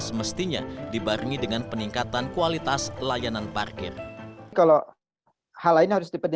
semestinya dibarengi dengan peningkatan kualitas layanan parkir kalau hal lain harus diperba